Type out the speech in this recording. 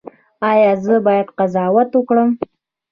ایا زه باید قضاوت وکړم؟